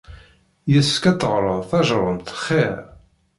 Yessefk ad teɣreḍ tajeṛṛumt xir.